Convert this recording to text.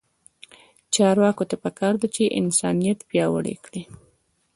چارواکو ته پکار ده چې، انسانیت پیاوړی کړي.